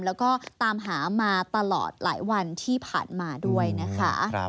แล้วก็ตามหามาตลอดหลายวันที่ผ่านมาด้วยนะคะ